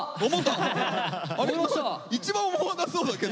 一番思わなそうだけど。